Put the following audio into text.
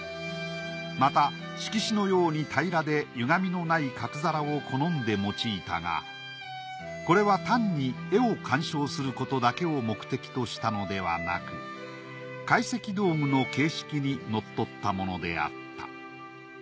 また色紙のように平らでゆがみのない角皿を好んで用いたがこれは単に絵を鑑賞することだけを目的としたのではなく懐石道具の形式にのっとったものであった。